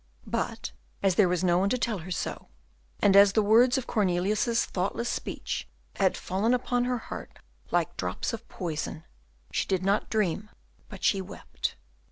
But as there was no one to tell her so, and as the words of Cornelius's thoughtless speech had fallen upon her heart like drops of poison, she did not dream, but she wept.